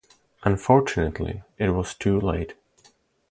Unfortunately, it was too late.